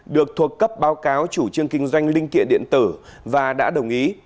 được thuộc cấp báo cáo chủ trương kinh doanh linh kiện điện tử và đã đồng ý